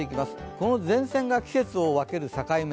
この前線が季節を分ける境目。